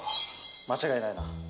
間違いないな？